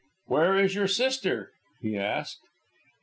"Where is your sister?" he asked.